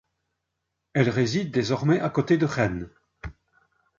Elle réside désormais à côté de Rennes.